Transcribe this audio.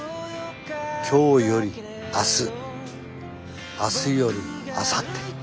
今日より明日明日よりあさって。